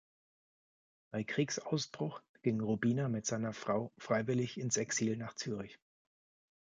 Bei Kriegsausbruch ging Rubiner mit seiner Frau freiwillig ins Exil nach Zürich.